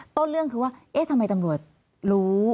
ต้นเรื่องคือว่าเอ๊ะทำไมตำรวจรู้